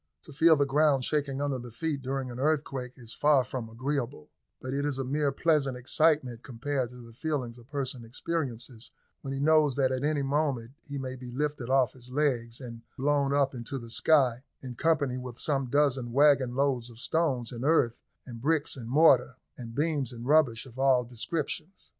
To feel the ground shaking under the feet during an earthquake is far from agreeable, but it is a mere pleasant excitement compared to the feelings a person experiences, when he knows that at any moment he may be lifted off his legs and blown up into the sky in company with some dozen wagon loads of stones and earth, and bricks and mortar, and beams and rubbish of all descriptions.